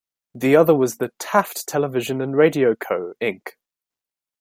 The other was the "Taft Television and Radio Co, Inc.".